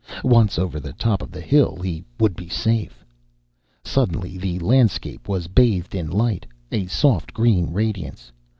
Once over the top of the hill he would be safe. Suddenly the landscape was bathed in light, a soft green radiance.